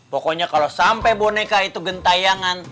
pokoknya kalau sampai boneka itu gentayangan